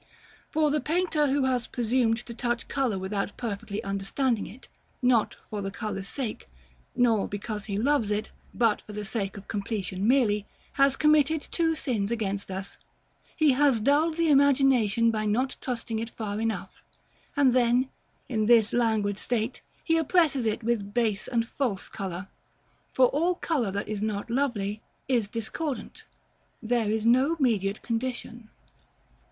For the painter who has presumed to touch color without perfectly understanding it, not for the color's sake, nor because he loves it, but for the sake of completion merely, has committed two sins against us; he has dulled the imagination by not trusting it far enough, and then, in this languid state, he oppresses it with base and false color; for all color that is not lovely, is discordant; there is no mediate condition.